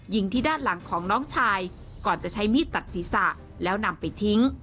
ยิงที่ด้านหลังของน้องชายก่อนจะใช้มีดตัดศีรษะแล้วนำไปทิ้ง